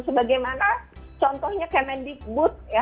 sebagaimana contohnya kemendikbud ya